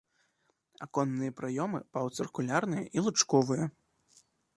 Аконныя праёмы паўцыркульныя і лучковыя.